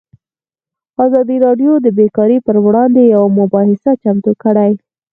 ازادي راډیو د بیکاري پر وړاندې یوه مباحثه چمتو کړې.